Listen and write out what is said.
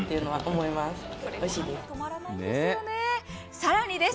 さらにです。